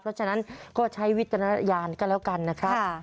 เพราะฉะนั้นก็ใช้วิทยาลกันแล้วกันนะครับค่ะ